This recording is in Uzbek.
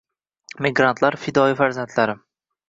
Migrantlar — fidoyi farzandlarim